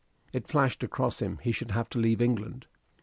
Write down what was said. It flashed across him he should have to leave England.